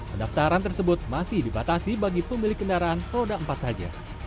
pendaftaran tersebut masih dibatasi bagi pemilik kendaraan roda empat saja